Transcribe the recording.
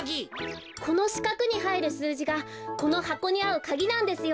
このしかくにはいるすうじがこのはこにあうかぎなんですよ。